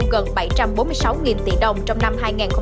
gần bảy trăm bốn mươi sáu tỷ đồng trong năm hai nghìn hai mươi